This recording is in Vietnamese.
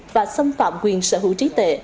và xâm phạm quyền sở hữu trí tệ